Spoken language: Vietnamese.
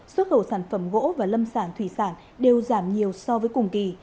xuất khẩu sản phẩm gỗ và lâm sản thủy sản đều giảm nhiều so với cùng kỳ